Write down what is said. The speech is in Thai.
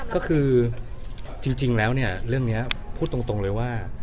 ก็คือจริงแล้วเนี่ยเรื่องนี้พูดตรงเลยว่า